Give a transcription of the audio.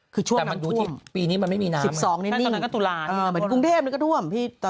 คือช่วงน้ำทวม